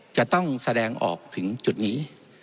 จะต้องแสดงออกถึงจุดนี้